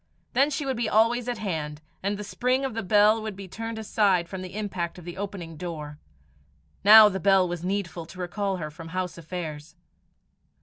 Then she would be always at hand, and the spring of the bell would be turned aside from the impact of the opening door. Now the bell was needful to recall her from house affairs.